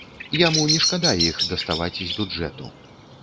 Яму не шкада іх даставаць з бюджэту.